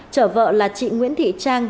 trở vợ là chị nguyễn thị trang